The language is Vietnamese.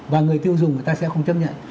và người tiêu dùng người ta sẽ không chấp nhận